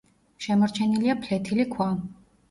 შემორჩენილია ფლეთილი ქვა.